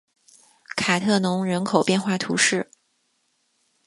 卡特农人口变化图示